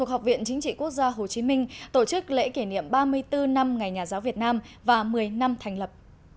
học viện chính trị quốc gia hồ chí minh tổ chức lễ kỷ niệm ba mươi bốn năm ngày nhà giáo việt nam và một mươi năm thành lập